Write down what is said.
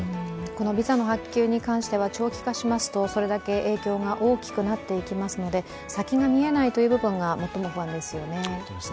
ビザの発給に関しては長期化しますとそれだけ影響が大きくなってきますので先が見えないという部分が最も不安ですよね。